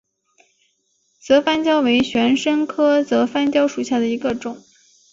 泽番椒为玄参科泽番椒属下的一个种。